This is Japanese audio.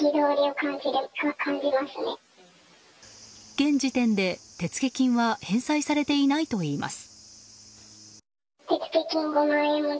現時点で、手付金は返済されてないとしています。